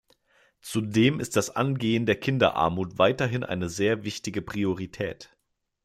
Zudem ist das Angehen der Kinderarmut weiterhin eine sehr wichtige Priorität.